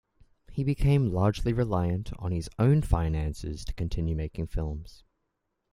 He became largely reliant on his own finances to continue making films.